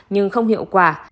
nhưng không hiệu quả